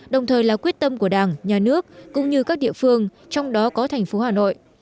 đồng thời là quyết tâm của đảng nhà nước cũng như các địa phương trong đó có thành phố hà nội